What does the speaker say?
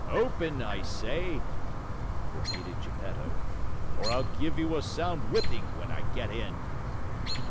"Open! I say," repeated Geppetto, "or I'll give you a sound whipping when I get in."